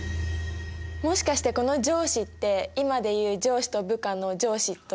もしかしてこの上司って今でいう「上司と部下」の上司と同じですか？